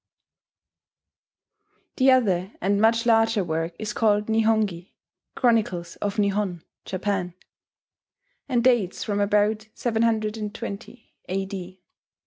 D. The other and much larger work is called Nihongi, "Chronicles of Nihon [Japan]," and dates from about 720 A.D.